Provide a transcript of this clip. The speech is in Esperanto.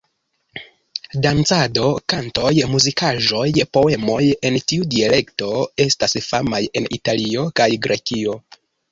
Dancado, kantoj, muzikaĵoj, poemoj en tiu dialekto estas famaj en Italio kaj Grekio.